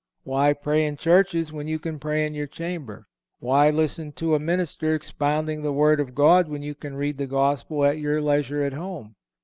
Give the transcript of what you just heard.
Why pray in church when you can pray in your chamber? Why listen to a minister expounding the Word of God when you can read the Gospel at your leisure at home.